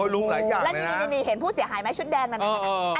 แล้วนี่เห็นผู้เสียหายไหมชุดแดงนั้นนะ